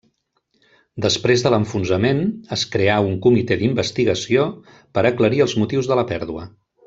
Després de l'enfonsament es creà un Comitè d'Investigació per aclarir els motius de la pèrdua.